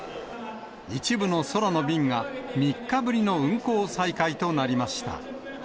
一部の空の便が、３日ぶりの運航再開となりました。